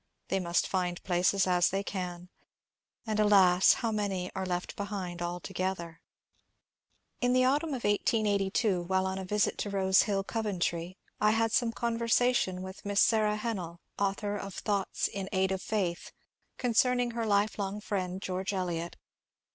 They must find places as they can. And alas, how many are left behind altogether ! In the autumn of 1882, while on a visit to Rose Hill, Cov entry, I had some conversation with Miss Sara Hennell, author of " Thoughts in Aid of Faith," concerning her lifelong friend George Eliot.